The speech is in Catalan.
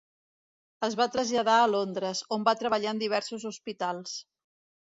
Es va traslladar a Londres, on va treballar en diversos hospitals.